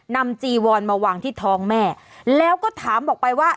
จีวอนมาวางที่ท้องแม่แล้วก็ถามบอกไปว่า